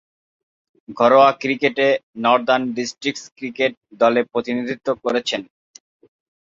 ঘরোয়া ক্রিকেটে Northern Districts cricket দলে প্রতিনিধিত্ব করছেন।